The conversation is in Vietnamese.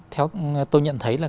theo tôi nhận thấy là